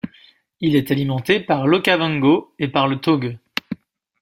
Il est alimenté par l'Okavango et par le Taughe.